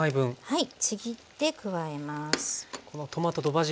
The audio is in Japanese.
はい。